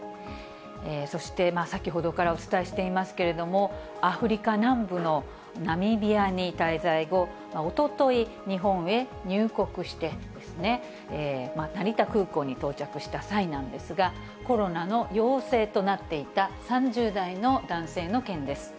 そして、先ほどからお伝えしていますけれども、アフリカ南部のナミビアに滞在後、おととい、日本へ入国して成田空港に到着した際なんですが、コロナの陽性となっていた３０代の男性の件です。